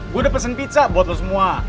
gue udah pesen pizza buat lo semua